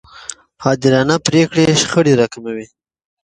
عادلانه پرېکړې شخړې راکموي.